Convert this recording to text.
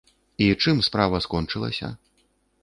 І чым справа скончылася?